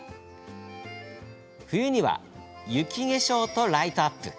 冬には、雪化粧とライトアップ。